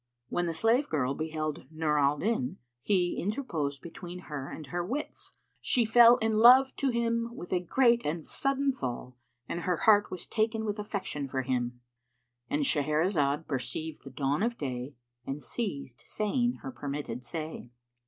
When the slave girl beheld Nur al Din he interposed between her and her wits; she fell in love to him with a great and sudden fall and her heart was taken with affection for him;—And Shahrazad perceived the dawn of day and ceased saying her permitted say.